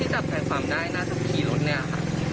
ที่ตัดแผ่นความได้น่าจะคีย์รถเนี่ยค่ะ